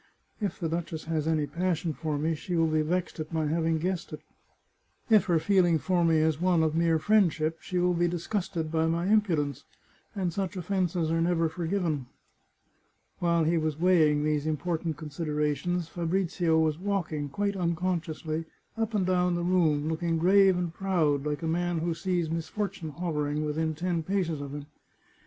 If the duchess has any passion for me, she will be vexed at my having guessed it. If her feeling for me is one of mere friendship she will be disgusted by my impudence, and such offences are never forgiven." While he was weighing these important considerations Fabrizio was walking, quite unconsciously, up and down the room, looking grave and proud, like a man who sees mis fortune hovering within ten paces of him.